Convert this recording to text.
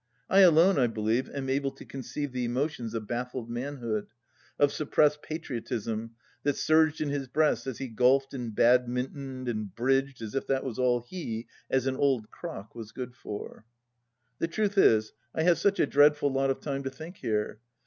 I alone, I believe, am able to conceive the emotions of baffled manhood — of suppressed patriotism that surged in his breast as he golfed and badmintoned and bridged as if that was all he, as an old crock, was good for 1 ... The truth is, I have such a dreadful lot of time to think here.